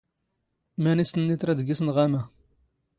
ⵎⴰⵏⵉ ⵙ ⵜⵏⵏⵉⵜ ⵔⴰⴷ ⴳⵉⵙ ⵏⵖⴰⵎⴰ?